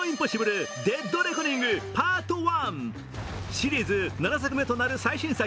シリーズ７作目となる最新作。